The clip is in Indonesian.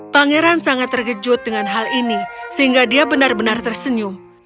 pangeran sangat terkejut dengan hal ini sehingga dia benar benar tersenyum